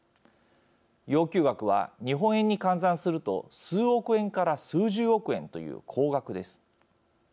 要求額は、日本円に換算すると数億円から数十億円という高額です。